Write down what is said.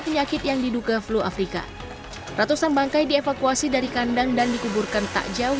penyakit yang diduga flu afrika ratusan bangkai dievakuasi dari kandang dan dikuburkan tak jauh